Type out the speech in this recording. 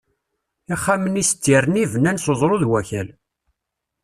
Ixxamen-is d tirni bnan s uẓru d wakal.